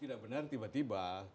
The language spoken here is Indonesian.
tidak benar tiba tiba